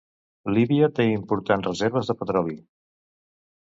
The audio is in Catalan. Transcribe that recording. Líbia té importants reserves de petroli.